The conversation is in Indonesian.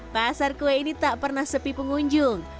pasar kue ini tak pernah sepi pengunjung